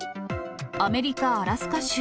アメリカ・アラスカ州。